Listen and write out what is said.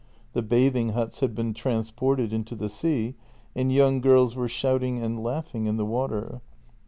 The bathing huts had been transported into the sea, and young girls were shouting and laughing in the water.